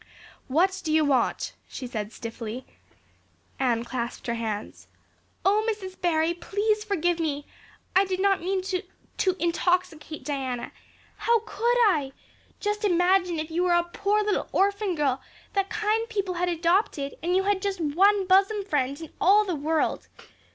"What do you want?" she said stiffly. Anne clasped her hands. "Oh, Mrs. Barry, please forgive me. I did not mean to to intoxicate Diana. How could I? Just imagine if you were a poor little orphan girl that kind people had adopted and you had just one bosom friend in all the world.